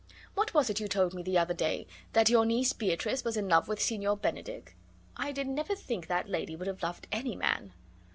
What was it you told me the other day that your niece Beatrice was in love with Signor Benedick? I did never think that lady would have loved any man."